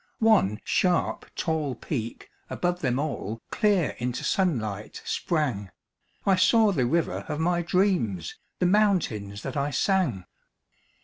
One sharp, tall peak above them all Clear into sunlight sprang I saw the river of my dreams, The mountains that I sang!